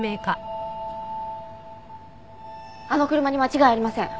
あの車に間違いありません。